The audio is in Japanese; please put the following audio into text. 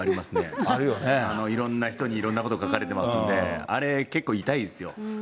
いろんな人にいろんな事書かれてますので、あれ結構痛いですよ。